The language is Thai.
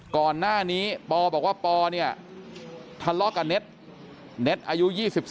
ก่อนหน้านี้ปอบอกว่าปอเนี่ยทะเลาะกับเน็ตเน็ตอายุ๒๓